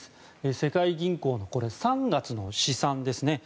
世界銀行の３月の試算ですね。